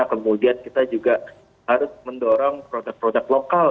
kemudian kita juga harus mendorong produk produk lokal